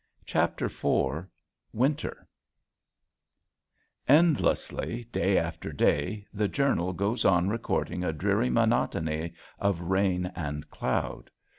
CHAPTER IV WINTER Endlessly, day after day, the journal goes on recording a dreary monotony of rain and cloud.